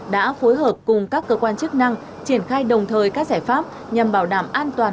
đã phối hợp cùng các cơ quan chức năng triển khai đồng thời các giải pháp nhằm bảo đảm an toàn